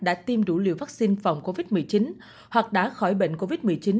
đã tiêm đủ liều vaccine phòng covid một mươi chín hoặc đã khỏi bệnh covid một mươi chín